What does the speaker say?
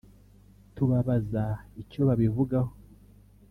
tubabaza icyo babivugaho